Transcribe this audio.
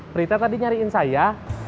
prita tadi nyariin saya